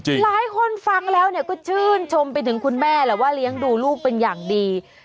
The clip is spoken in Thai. หลายคนฟังแล้วก็ชื่นชมไปถึงคุณแม่แหละว่าเลี้ยงดูลูกเป็นอย่างดี